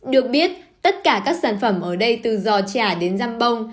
được biết tất cả các sản phẩm ở đây từ giò chả đến ram bông